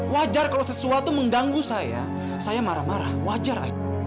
wajar kalau sesuatu mengganggu saya saya marah marah wajar aja